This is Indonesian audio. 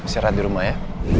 serah di rumah ya